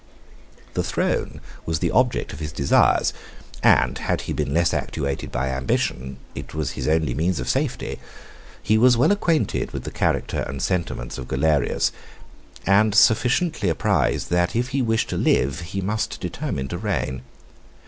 The throne was the object of his desires; and had he been less actuated by ambition, it was his only means of safety. He was well acquainted with the character and sentiments of Galerius, and sufficiently apprised, that if he wished to live he must determine to reign.